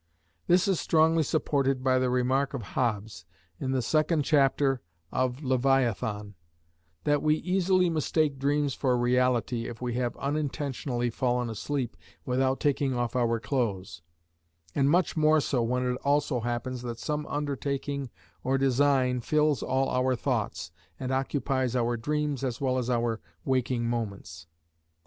This is strongly supported by the remark of Hobbes in the second chapter of Leviathan, that we easily mistake dreams for reality if we have unintentionally fallen asleep without taking off our clothes, and much more so when it also happens that some undertaking or design fills all our thoughts, and occupies our dreams as well as our waking moments.